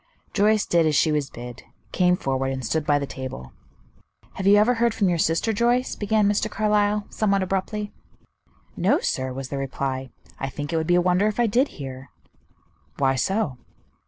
Joyce did as she was bid, came forward, and stood by the table. "Have you ever heard from your sister, Joyce?" began Mr. Carlyle, somewhat abruptly. "No, sir," was the reply; "I think it would be a wonder if I did hear." "Why so?"